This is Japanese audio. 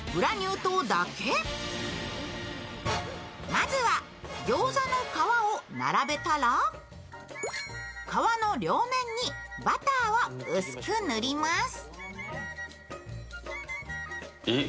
まずは餃子の皮を並べたら、皮の両面にバターを薄く塗ります。